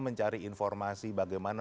mencari informasi bagaimana